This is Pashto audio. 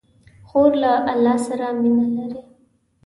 خور له الله سره مینه لري.